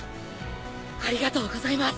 ありがとうございます。